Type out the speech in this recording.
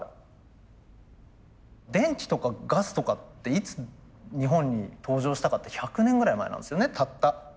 電気とかガスとかっていつ日本に登場したかって１００年ぐらい前なんですよねたった。